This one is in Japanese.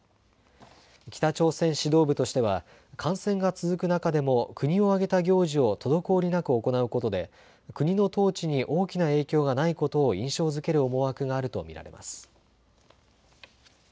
北朝鮮指導部としては感染が続く中でも国を挙げた行事を滞りなく行うことで国の統治に大きな影響がないことを印象づける思惑があると見られます。